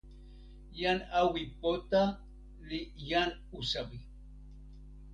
jan Awi Pota li jan usawi.